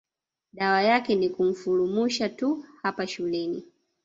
Dawa yake ni kumfulumusha tu hapa shuleni